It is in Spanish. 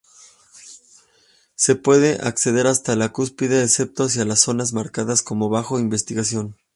Se puede ascender hasta la cúspide, excepto hacia las zonas marcadas como "bajo investigación".